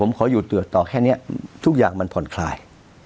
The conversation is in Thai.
ถ้าคุณอยู่ต่อแค่นี้ทุกอย่างป็นคลาย